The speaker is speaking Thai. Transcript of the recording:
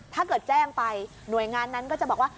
ถ้าเกิดแจ้งไปหน่วยงานนั้นก็จะบอกว่า